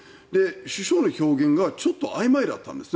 首相の表現が、ちょっとあいまいだったんですね。